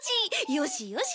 よしよし。